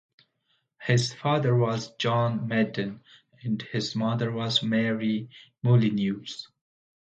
His father was John Madden, and his mother was Mary Molyneux.